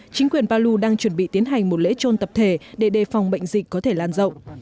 chính quyền palu đang chuẩn bị tiến hành một lễ trôn tập thể để đề phòng bệnh dịch có thể lan rộng